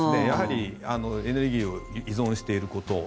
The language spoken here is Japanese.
やはりエネルギーを依存していること。